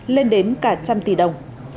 lên đến cả trăm tỷ đồng